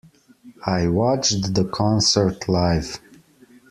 I watched the concert live.